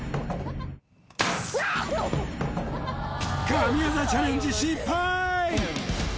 神業チャレンジ失敗！